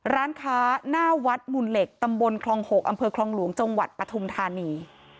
ร้านค้าหน้าวัดหมุนเหล็กตำบลคลอง๖อำเภอคลองหลวงจังหวัดปฐุมธานี